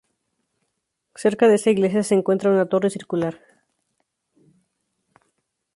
Cerca de esta iglesia se encuentra una torre circular.